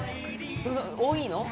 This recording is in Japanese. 多いの？